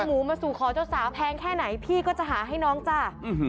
หมูมาสู่ขอเจ้าสาวแพงแค่ไหนพี่ก็จะหาให้น้องจ้า